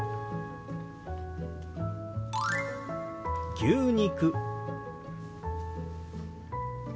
「牛肉」。